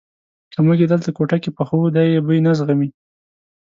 که موږ یې دلته کوټه کې پخو دی یې بوی نه زغمي.